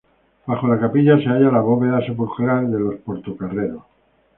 Bajo la capilla se halla la bóveda sepulcral de los Portocarrero.